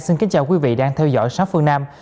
xin kính chào quý vị đang theo dõi sát phương nam